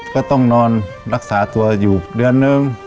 ก็ต้องนอนรักษาตัวอยู่เดือนนึง